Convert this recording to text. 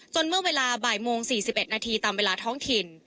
เมื่อเวลาบ่ายโมง๔๑นาทีตามเวลาท้องถิ่น